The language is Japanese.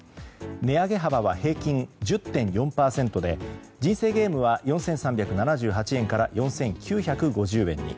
値上げ幅は平均１０．４％で人生ゲームは４３７８円から４９５０円に。